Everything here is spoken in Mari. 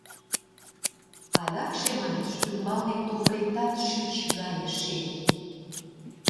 — Адакше, манеш, ӱмбалнет тувыретат шӱч гай шеме.